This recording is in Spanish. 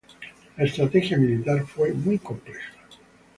La estrategia militar fue muy compleja.